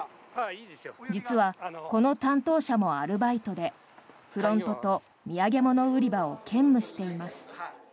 実は、この担当者もアルバイトでフロントと土産物売り場を兼務しています。